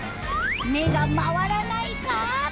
目が回らないか。